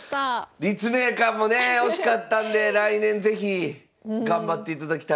立命館もね惜しかったんで来年是非頑張っていただきたい。